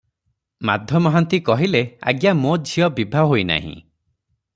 ମାଧ ମହାନ୍ତି କହିଲେ, "ଆଜ୍ଞା, ମୋ ଝିଅ ବିଭା ହୋଇନାହିଁ ।"